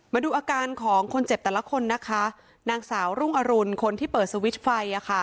มาดูอาการของคนเจ็บแต่ละคนนะคะนางสาวรุ่งอรุณคนที่เปิดสวิตช์ไฟ